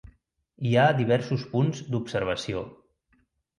Hi ha diversos punts d'observació.